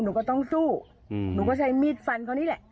หนูก็ต้องสู้หนูก็ใช้มีดฟันเขานี่แหละ